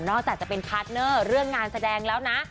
จากจะเป็นพาร์ทเนอร์เรื่องงานแสดงแล้วนะ